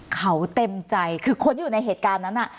เขาเต็มใจคือคนที่อยู่ในเหตุการณ์นั้นน่ะ